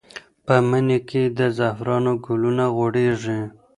په مني کې د زعفرانو ګلونه غوړېږي.